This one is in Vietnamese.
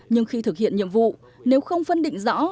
nhưng khi thực hiện nhiệm vụ nếu không phân định rõ